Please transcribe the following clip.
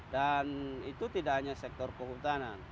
dan itu tidak hanya sektor kehutanan